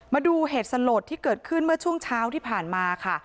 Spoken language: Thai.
มาดูเหตุสลดที่เกิดขึ้นเมื่อช่วงเช้าที่ผ่านมาค่ะ